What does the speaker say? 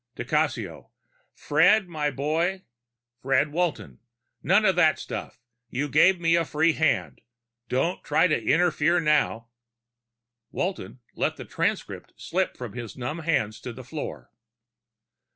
_ Di Cassio: _Fred, my boy _ Fred Walton: None of that stuff. You gave me a free hand. Don't try to interfere now. Walton let the transcript slip from his numb hands to the floor.